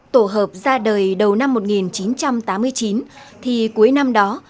tổ hợp ra đời đầu năm một nghìn chín trăm tám mươi chín thì cuối năm đó